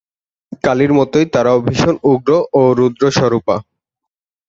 কালীর মতই তারাও ভীষণ উগ্র এবং রুদ্রস্বরূপা।